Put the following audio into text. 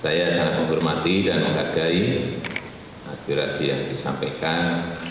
saya sangat menghormati dan menghargai aspirasi yang disampaikan